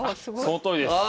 そのとおりです！